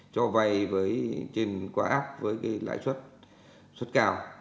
cho vai trên qua app với cái lãi suất cao